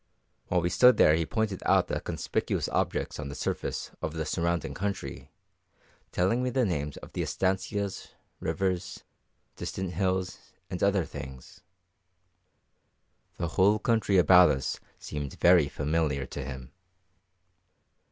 While we stood here he pointed out the conspicuous objects on the surface of the surrounding country, telling me the names of the estancias, rivers, distant hills, and other things. The whole country about us seemed very familiar to him.